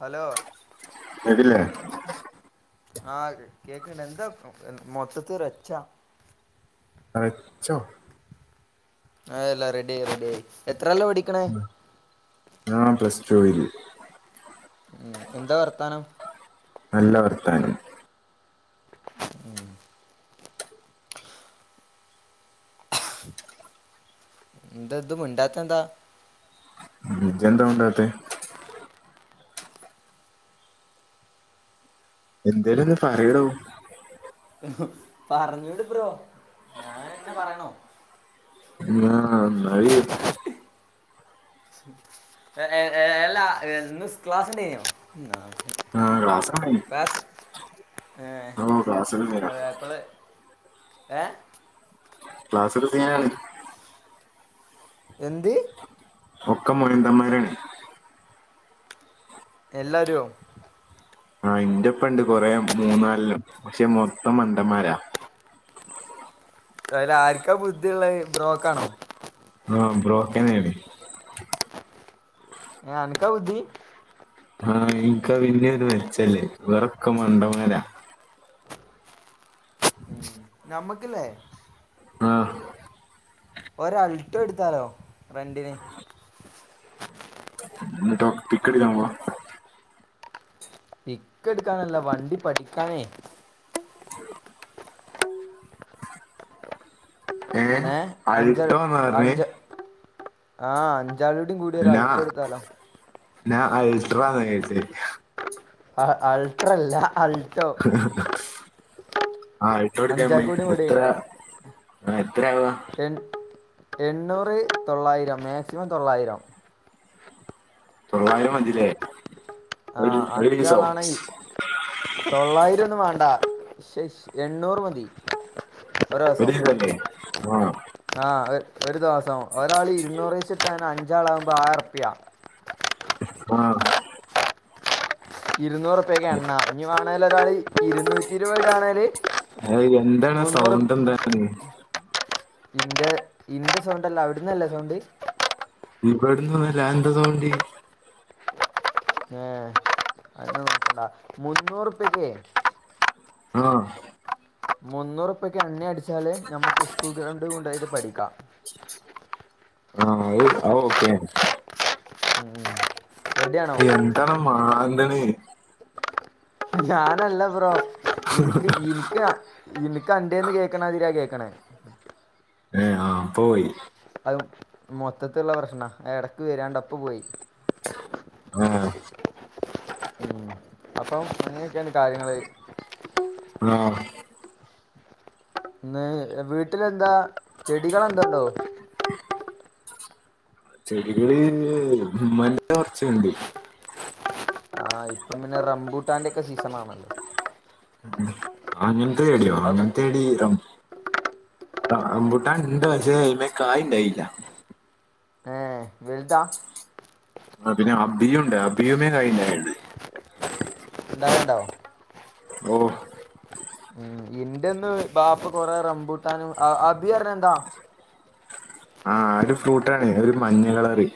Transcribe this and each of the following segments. Hello കേട്ടില്ലേ ആഹ് കേക്കണ്ട്. എന്താ മൊത്തത്തി റെച്ചാ റെച്ചോ? അതല്ല റെഡിയായി റെഡിയായി. എത്രെല്ലാ പടി ഞാൻ പ്ലസ് ടു ഇൽ. ഉം എന്താ വർത്താനം? നല്ല വർത്താനം ഉം എന്താ ഇതു മിണ്ടാത്തെന്താ ഇജ്ജെന്താ മിണ്ടാത്തെ? എന്തേലും ഒന്ന് പറയടോ. പറഞ്ഞൂട് ബ്രോ. ഞാനന്നെ പറയണോ? ആഹ് നന്നായി [unintelligible] ഇന്ന് ക്ലാസ്ണ്ടേയ്നോ? ക്ലാസ്സാണ് [unintelligible] ഓ ക്ലാസ്സിൽ സീനാ എപ്പള് ഏഹ് ക്ലാസൊക്കെ സീനാണ്. എന്ത്? ഒക്ക മൊയിന്തന്മാരാണ്. എല്ലാരോ? ആഹ് ഇന്റെപ്പൊണ്ട് കൊറെേ മൂന്നാല്ണം. പക്ഷെ മൊത്തം മണ്ടന്മാരാ. അയില് ആരിക്കാ ബുദ്ധിയുള്ളത്. ബ്രോക്കാണോ? ആഹ് ബ്രോക്കന്നേട്. ആർക്കാ ബുദ്ധി? ആഹ് എനക്കാ പിന്നെയൊരു മെചൊല്ലേ. ഇവരൊക്കെ മണ്ടന്മാരാ ഉം. നമ്മക്കില്ലേ ആഹ് ഒരൾട്ടോ എടുത്താലോ? റെന്റിന് കിക്കട്ക്കാൻ പോവാ കിക്കെടുക്കാനല്ല വണ്ടി പഠിക്കാനേ ഏ ഏഹ് അഞ്ചാറ് അൾട്ടോ എന്ന് പറഞ്ഞേ അഞ്ച് ആഹ് അഞ്ചാളോടയും കൂടി ഒരു ഞാൻ അൾട്ടോ എടുത്താലോ ഞാൻ അൾട്രാന്നാ വിചാരിച്ചേ അഹ് അൾട്രല്ല അൾ [inaudible] ആഹ് ആൾട്ടോ എടുക്കാൻ അഞ്ചാക്കൂടിയും വേണ്ടിട്ടെ കൂടി എത്ര എത്രയാവാ എൺ എണ്ണൂറ് തൊള്ളായിരം മാക്സിമം തൊള്ളായിരം തൊള്ളായിരം മതില്ലേ ഒരു ഒരു ദീസോ തൊള്ളായിരോന്നും വേണ്ട ശ്ശെശ് എണ്ണൂറ് മതി [unintelligible] ആഹ് ആഹ് ഒ ഒരു ദെവസം ഒരാള് ഇരുന്നൂറ് വെച്ചിട്ടാനെ അഞ്ചാളാവുമ്പോ ആയിരറുപ്യ ആഹ് ഇരുന്നൂറുപ്പ്യൊക്കെ എണ്ണ ഇഞ്ഞ് വേണൽ ഒരാള് ഇരുന്നൂറ്റി ഇരുപത് ഇടാണേല് ഏയ് എന്താണ് മുന്നൂറ് സൗണ്ട് എന്താണ് ഇന്റെ ഇന്റെ സൗണ്ടല്ല അവിടുന്നല്ലേ സൗണ്ട് ഇവിടന്ന് വരാൻ അതെന്ത് സൗണ്ട് ഏഹ് അത് നോക്കണ്ട മുന്നൂറുപ്യക്കേ ആഹ് മുന്നൂറുപ്യക്ക് എണ്ണയടിച്ചാല് ഞമ്മുക്ക് സ്കൂൾ ഗ്രൗണ്ടി കൊണ്ടോയിട്ട് പഠിക്കാം ആഹ് അത് അതോക്കെ മ്മ്മ് എന്താഡാ മാന്തണ് ഞാനല്ല ബ്രോ ഇനിക്ക് ഇനി [unintelligible] ഇനിക്ക് അന്റേന്നു കേക്കണ മാതിരിയാ കേക്കണേ ഏഹ് ആഹ് പോയി അത് മൊത്തത്തീള്ള പ്രശ്നാ ഇടക്ക് വരാണ്ട ഇപ്പപ്പോയി ഉം അപ്പം അങ്ങനൊക്കെയാണ് കാര്യങ്ങള് ഉം ഇന്ന് വീട്ടിലെന്താ ചെടികളെന്തണ്ടോ ചെടികള് ഉമ്മാന്റെ കൊറച്ചെണ്ട് ആഹ് ഇപ്പ പിന്നെ റംബൂട്ടാന്റെക്കെ സീസനാണ്‌ അങ്ങനത്തെ ചെടിയോ അതൊക്കെ അങ്ങനത്തെ ചെടി [unintelligible] ആഹ് റംമ്പുട്ടാനെണ്ട് പക്ഷേ അയിമ്മേ കായ് എണ്ടായില്ല ഉം വെൽതാ ആഹ് പിന്നെ അബിയുണ്ട് അബിയുമ്മേ കായിണ്ടായിണ്ട് എണ്ടാവലെണ്ടോ ഓഹ് ഉം എന്റിന്ന് ബാപ്പ കൊറെ റംമ്പൂട്ടാനും അഹ് അഭിയാറഞ്ഞെ എന്താ ആഹ് ഒരു ഫ്രൂട്ടാണെ ഒരു മഞ്ഞ കളറ്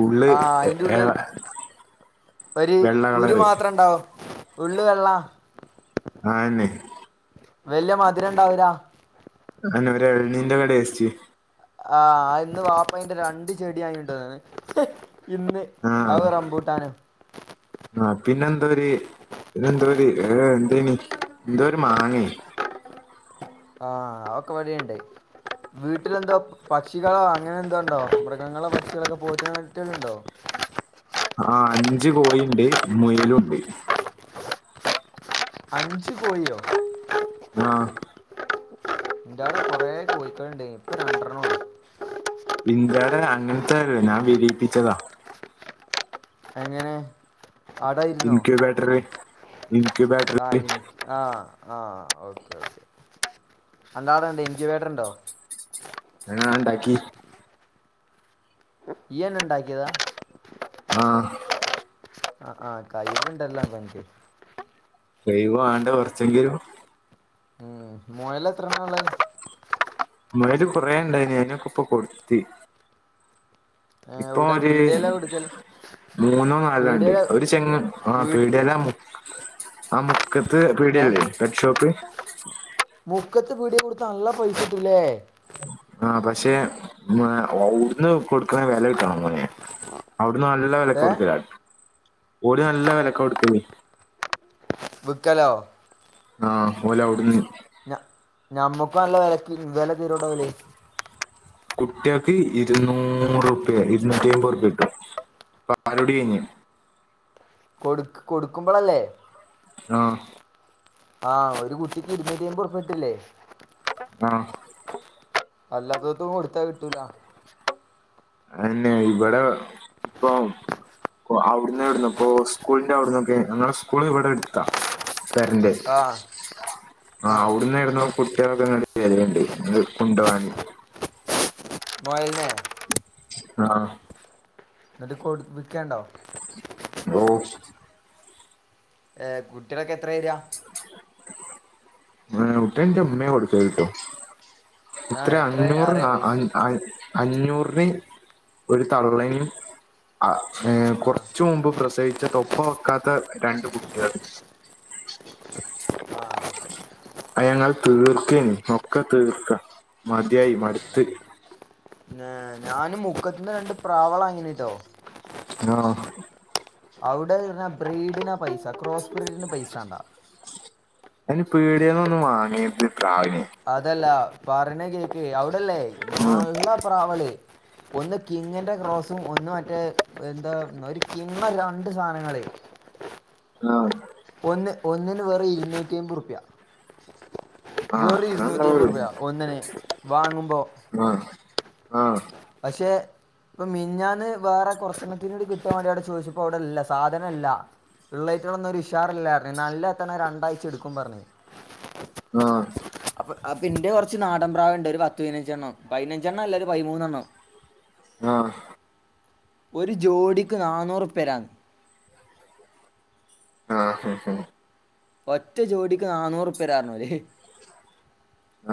ഉള്ള് ആഹ് എ- അയിന്റുള്ള് എ- ഒരു വെള്ള കുരു കളറ് മാത്രം ഇണ്ടാവും ഉള്ള് വെള്ള ആന്നെ വെല്ല്യ മധുരെണ്ടാവൂല്ല അയിനൊരു എളനീരിന്റെക്ക ടേസ്റ്റ് ആഹ് ഇന്ന് വാപ്പയ്ന്റെ രണ്ട് ചെടി വാങ്ങ്യൊണ്ട്ന്ന്ണ് ഇന്ന് അതും റംബൂട്ടാനും ആഹ് പിന്നെന്തോര് പിന്നെന്തോത് [unintelligible] എന്തേനി ന്തോര് മങ്ങേ ആഹ് അതൊക്കെവടെണ്ട് വീട്ടിലെന്തോ പക്ഷികളോ അങ്ങനെ ന്തോണ്ടോ മൃഗങ്ങളോ പക്ഷികളൊക്കെ പോറ്റി വളർത്തല്ണ്ടോ ആഹ് അഞ്ച് കോയിണ്ട് മുയലുണ്ട് അഞ്ച് കോയോ? ആഹ് ഇൻ്റോടെ കുറേ കോയിക്കള്ണ്ടേനി ഇപ്പം രണ്ട്രണ്ണൊള്ളൂ. ഇൻ്റെടെ അങ്ങൻത്തെല്ല ഞാൻ വിരിപ്പിച്ചതാ. എങ്ങനെ? അതായ് ഇൻക്യൂബാട്ടർറി ആഹ് ഇനിക്യൂബാട്ടറില് എനിക്ക് ആഹ് ആഹ് ഓക്കെ ഓക്കെ അൻ്റാടെണ്ടോ ഇൻക്യുബാറ്ററ്ണ്ടോ? അത് ഞാണ്ടാക്കി. ഇയ്യെന്നെണ്ടാക്ക്യതാ? ആഹ് ആഹ് ആഹ് കയ്‌വ്ണ്ടല്ലോ നല്ലോ ൻക്ക് ഒയ് വാണ്ടെ കൊർച്ചെങ്കിലും മോയലെത്രണ്ണാള്ളെ? മൊയല് കുറേ ണ്ടായിന് അയ്നെ പ്പൊക്കെ കൊട്ത്ത്. ഏഹ് എവ്ടെ ഒരു വീട്യേല്ലാ കൊട്ക്കല്? മൂന്നോ നാലോണ്ട് ഒരു ചെങ്ങൻ ആഹ് വീ പീട്യേലാന്ന്. ആ മുക്കത്ത് ഏഹ് പീട്യല്ലേ പെറ്റ് ഷോപ്പ്. മുക്കത്ത് പീട്യേകൊട്ത്താ നല്ല പൈസ ട്ടൂലെ. ആഹ് പക്ഷെ മൊ അവ്ട്ന്ന് കൊട്ക്ക്ണ വെല കിട്ടണം മോനെ അവ്ട്ന്ന് നല്ല വെലക്ക് ഏ കൊട്ക്കല ഓര് നല്ല വെലക്കാ കൊട്ക്കല്. വ്ക്കലോ? ആഹ് ഓലവ്ട്ന്ന് ഞ ഞമ്മക്ക് നല്ല വെലക്ക് വെല തെരോടാ ഓല്. കുട്ട്യേക്ക് ഇര്ന്നൂറുപ്യ ഇര്ന്നൂറ്റ്യമ്പൊർപ്യട്ടും. പാലുട്യയ്ഞ്ഞ്. കൊട്ക്ക് കൊട്ക്കുമ്പളല്ലേ. ആഹ് ആഹ് ഒരു കുട്ടിക്ക് ഇര്ന്നുറ്റ്യമ്പൊർപ്യട്ടൂലെ. ആഹ് അല്ലാതോൽക്കൊന്നും കൊട്ത്താ കിട്ടൂല. അതെന്നെ ഇബടെ പ്പം പ്പോ അവ്ട്ന്ന് എവ്ട്ന്നൊക്കൊ സ്കൂൾന്റവ് ട്ന്നൊക്കെ ഞങ്ങളെ സ്കൂള് വടെ എട്ത്താ. പെര്ൻ്റെ ആ ആ ആഹ് അവ്ട്ന്നെവ്ട്ന്നോ കുട്ട്യേള് [unintelligible] വെര്ന്ണ്ട് ഇതിനെ കൊണ്ടോവാന്. മൊയൽനെ ആഹ് ന്നട്ട് കൊട് വ്ക്കേണ്ടോ? ഓഹ് ഏഹ് കുട്ടികളൊക്കെ എത്രരിക ആഹ് ഇവിടെ എന്റെ ഉമ്മയ കൊടുത്തയ്ട്ടോ ആ കിട്ടികൾ എത്ര അഞ്ഞൂറ് അറിയാം പൈസ അഞ്ഞൂറിന് ഒരു തള്ളനേം ആഹ് ഏഹ് ആ കുറച്ച് മുമ്പ് പ്രസവിച്ച തൊപ്പ വെക്കാത്ത രണ്ട് കുട്ടികൾ ആ അയഞങ്ങൾ തീർക്ക ഒക്കെ തീർക്ക മതിയായി മടുത്ത് ഞാനും മുക്കത്തിന്ന് രണ്ട് പ്രാവുളെ വാങ്ങിട്ടോ ആണോ അവിടെന്ന്റഞ്ഞ ബ്രീഡിനാ പൈസ ക്രോസ് ബ്രീഡിന് പൈസണ്ടാ അയിന് പീടേന്നൊന്നു വാങ്ങര്ത് പ്രാവിനെ അതല്ല പറണ കേക്ക് അവിടല്ലേ ആ നല്ല പ്രാവള് ഒന്ന് കിങ്ങന്റെ ക്രോസും ഒന്ന് മറ്റേ എന്താ ഒരു കിങ്ങ രണ്ട് സാനങ്ങള് [inaudible] ആഹ് ഒന്ന് ഒന്നിന് വെറു ഇരുന്നൂറ്റിയിമ്പുറുപ്യ ആ വെറു അത്ര ഉണ്ടാവുള്ളൂ ഇരുന്നൂറ്റിയിമ്പുറുപിയ ഒന്നിനെ വാങ്ങുമ്പോ ആഹ് ആഹ് പശെ ഇപ്പൊ മിഞ്ഞാന്ന് വേറെ കൊറച്ചെണ്ണത്തിനൂടി കിട്ടാവേണ്ടി അടെ ചോയിച്ചപ്പോ അവിടെയല്ല സാധനില്ല ഇള്ളറ്റിലൊന്നരു ഒരു ഉഷാറില്ലായിരുന്നു നല്ലത്തണെ രണ്ടായ്ചഎടുക്കും പറഞ്ഞ് ആഹ് അപ്പ് പിന്റെ കൊറച്ച് ച്ച് നാടൻ പ്രാവുണ്ട് ഒരു പത്ത്പയിനഞ്ചെണ്ണം പയിനഞ്ചെണ്ണല്ല ഒരു പൈമൂന്നെണ്ണം ആഹ് ഒരു ജോഡിക്ക് നാന്നൂറുപരാന്ന് ആഹ് അഹ് ആഹ് ഒറ്റ ജോഡിക്ക് നന്നൂറുപ്പരാന്നർഞ്ഞോര്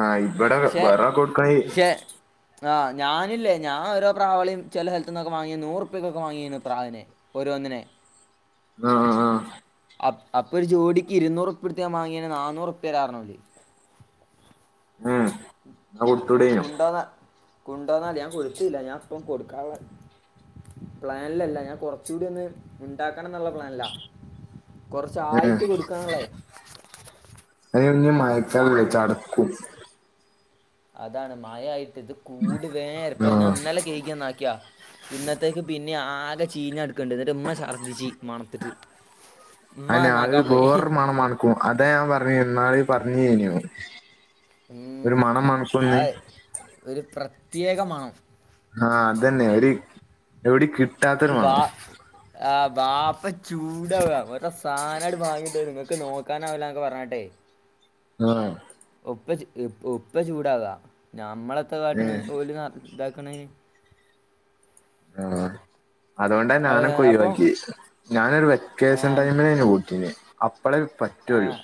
ആഹ് ഇവിടെ വേറക്ക്കൊടുക്കായി ആഹ് ഞനില്ലേ ഞാൻ ഓരോ പ്രാവളിയു ചെല സെൽത്തന്നൊക്കെ വാങ്ങിയ നൂറുപ്പക്കൊക്കെ വാങ്ങിയരുന്നു പ്രാവിനെ ഓരോന്നിനെ ആഹ് ആഹ് ആഹ് അപ്പ അപ്പോ ഒരു ജോഡിക്ക് ഇരുന്നൂറ്റപ്പടുത്ത ഞാവാങ്ങിയാന് നാന്നൂറുപ്പേരന്നറഞ്ഞോല് ഉം കുണ്ടോന്ന കുണ്ടോന്നാല് ഞാൻ കൊടുത്തല്ല ഞാൻ ഇപ്പം കൊടുക്കുവ പ്ലൻലല്ല ഞാൻ കൊറച്ചൂടി ഒന്ന് ഇണ്ടാക്കണന്നുള്ള പ്ലൻലാ ഏ കൊറച്ചായിട്ട് കൊടുക്കാനുള്ളേ ഇനിയന് മയക്കാലല്ലേ ചടക്കും അതാണ് മയയിട്ട് ഇത് കൂട് വേ ഇരപ്പ ആ ഞൻ ഇന്നല കൈാകിയന്നാക്കിയ ഇന്നത്തേക്ക് പിന്നെ ആകെ ചീഞ്ഞടുക്ക ക്ക്ണ്ട് ന്നിട്ട് ഇമ്മ ശർദ്ദിച്ചു മണത്തിട്ട് ഇമ്മന്നാക്കാൻ പോയി ക്കു അതാ ഞാൻ പർഞ്ഞേ ഇന്നാള് പറഞ്ഞേനു ഉം. ഒരു മണം ആ മണക്കുന്ന് ഒരു പ്രത്യേക മണം ആഹ് അതെന്നെ ഒരു എവിടെ കിട്ടാത്തൊരു മണം ആഹ് ബാപ്പ ചൂടാവാ ഓരോ സാനങ്ങട് വാങ്ങിട്ട് നിങ്ങ ക്ക് നോക്കാനാവിലന്നൊക്കെ പറഞ്ഞട്ടെ ആഹ് ഉപ്പച്ചി ഉപ്പ ചൂടാവാ ഞമ്മളത്തെ കാട്ടിണ് ഏ ഓല് ഇതാക്ക്ണ് ആഹ് അതോണ്ട അത് ഞാനൊക്കെ അപ്പം ഒഴിവാക്കിയെ ഞാനൊരു ആ, വെക്കേഷൻ ടൈമിനേനി ഓട്ടീനെ. അപ്പളേ [unintelligible] ആഹ്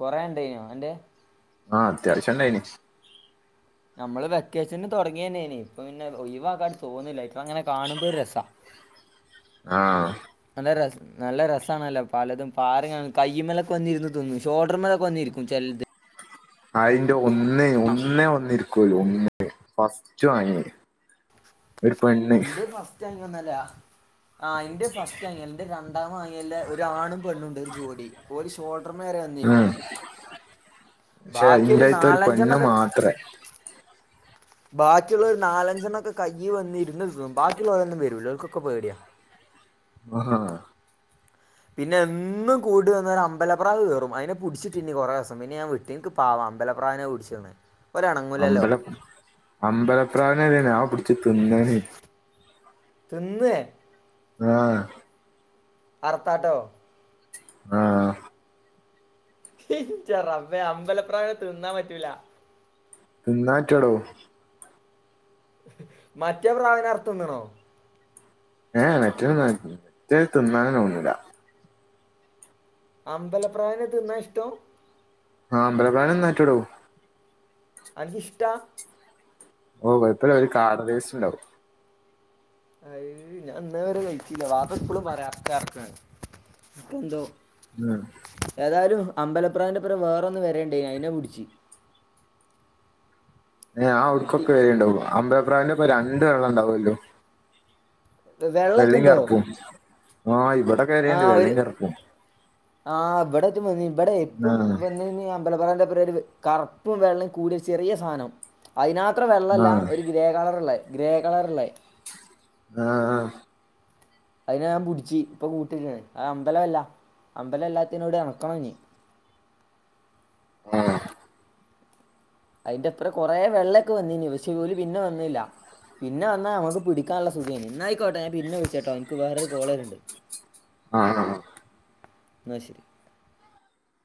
കൊറേ ഇണ്ടേനോ അന്റെ ആഹ് അത്യാവശ്യ ഇണ്ടായിനി. നമ്മള് വെക്കേഷന് തൊടങ്ങിയന്നേനി ഇപ്പൊ പിന്നെ ഒയിവാക്കാട് തോന്ന്ല്ല ഇപ്പ അങ്ങനെ കാണുമ്പ ഒര് രസാ. ആഹ് നല്ല രസ നല്ല രസാണല്ലോ പലതും പാറിങ്ങനെ കൈയ്യ്മ്മലൊക്കെ വന്നിരന്ന് തിന്നും. ഷോൾഡർ മേലൊക്കെ വന്നിരിക്കും ചെൽത്. അയിന്റെ ഒന്ന് ഒന്നേ ഒന്നിരിക്കല്ലു ഒന്നേ, ഫസ്റ്റ് വാങ്ങിയേ ഇന്റെ ഫസ്റ്റ് വാങ്ങി ഒന്നു അല്ല ആ ഇന്റെ ഫസ്റ്റ് വാങ്ങി അല്ല ഇന്റെ രണ്ടാമേ വാ ങ്ങിന്റെ ഒരു ആണും പെണ്ണുണ്ട് ഒരു ജോഡി. ഓല് ഷോ ഡർമ വെരെ ഉം വന്നിരിക്കും. പക്ഷെ ബാക്കി ഒര് ഇന്റെടുത്ത് ഒരു പെണ്ണ് നാലഞ്ചെണ്ണക്കെ ക മാത്രേ ബാക്കിയുള്ള ഒരു നാലഞ്ചെണ്ണൊക്കെ കൈയ്യി വന്നിര്ന്ന് തിന്നും. ബാക്കിയുള്ളരൊന്നും വരൂല ഓൽക്കൊക്കെ പേടിയാ. ആഹ് പിന്നെ എന്നും കൂട്ട് വന്നാല് ഒരു അമ്പലപ്രാവ് കേറും അയിനെ പുട്ച്ച് തിന്നും കൊറെ ദിവസം. പിന്നെ ഞാൻ വി ഇറ്റേന്ക്ക് പാവാ അമ്പലപ്രാവിനെ പുട്ച്ചിണെ അമ്പലം അമ്പലപ്രാവ്നെ വെരെ ഞാൻ പിടിച്ച് തിന്ന്ണ്. തിന്നേ? ആഹ് അർത്താട്ടോ? ആഹ് ഇന്റെ റബ്ബേ അമ്പലപ്രാവിനെ തിന്നാൻ പറ്റൂല. തിന്നാൻ പറ്റുടോ. മറ്റേ പ്രാവിനെ അർത്ത് തിന്ന്ണോ? ഏഹ് ഏഹ് മറ്റേ തിന്നാൻ പറ്റൂല. മറ്റേ തിന്നാനെന്നെ തോന്നൂല. അമ്പലപ്രാവിനെ തിന്നാ ഇഷ്ടം? ആ അമ്പല പ്രാവിനെ തിന്നാൻ പറ്റൊടോ. അൻക്ക് ഇഷ്ട ഓഹ്, കൊഴപ്പല്ല ഒര് കാട ടേസ്റ്റ് ഇണ്ടാവും. അയ് ഞാൻ ഇന്നേ വരെ കഴിച്ചീല്ല. വാപ്പ എപ്പളും പറയും അർക്ക്, അർക്ക് ഇക്കെന്തോ, ആഹ് ഏതായാലും അമ്പലപ്രാവ്ന്റെപ്പരം വേറൊന്ന് വരേണ്ട് അയിനെ പുടിച്ച്. ഏഹ് അഹ് കിട്ടി ഔട്ക്കൊക്കെ വരേണ്ടാവും അമ്പല പ്രാവിന്റെ ഒപ്പ രണ്ട് വെള്ള ഇണ്ടാവുല്ലോ. വെള്ളമൊക്കെ വെള്ളീം ഉണ്ടോ കറപ്പും ആ ഇവടെ ആ ഒര് ആ ഇബടെറ്റം വന്നീനി, ഇബടെ ആ ഇപ്പം വന്നീനി അ മ്പല പ്രാവിന്റെ ഒപ്പ ഒര് കറുപ്പും വെള്ളേം കൂടിയ ഒരു ചെറീയ സാധനം. അയിനാത്ര വെള്ളല്ല ആ ഒരു ഗ്രേ കളർള്ളേ ഗ്രേ കളറ്ള്ളേ, ആഹ് അയിനെ ഞാൻ പുടിച്ച് ഇപ്പം കൂട്ടിലിട്ട്ണ് അഹ് അമ്പലല്ല അമ്പലംഎല്ലാത്തേനോട് എണക്കണം ഇഞ്ഞ്. അയിന്റെപ്പരെ കൊറെ വെള്ള ഒക്കെ വന്നീനി പക്ഷേ, ഓല് പിന്നെ വന്നീല്ല. പിന്നെ വന്ന നമക്ക് പിടിക്കാൻ നല്ല സുഖേനി, ഇന്നായിക്കോട്ടെ ഞാൻ പിന്നെ വിളിച്ചട്ടോ ഇൻക്ക് വേറൊര് കോള് വെര്ണ്ട്. ആഹ് ആ ന ശരി